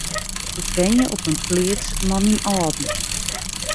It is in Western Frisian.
Ik wenje op in pleats mei myn âlden.